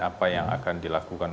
apa yang akan dilakukan